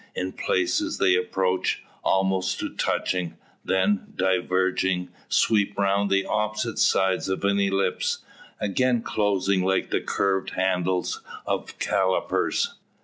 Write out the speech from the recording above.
In places they approach, almost to touching; then, diverging, sweep round the opposite sides of an ellipse; again closing like the curved handles of callipers.